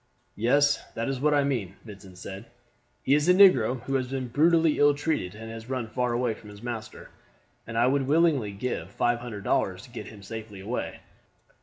"Yes, that is what I mean," Vincent said. "He is a negro who has been brutally ill treated and has run away from his master, and I would willingly give five hundred dollars to get him safely away."